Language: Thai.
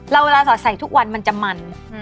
เราราสาวใส่ทุกวันมันจะมัน